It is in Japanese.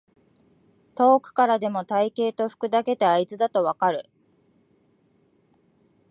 遠くからでも体型と服だけであいつだとわかる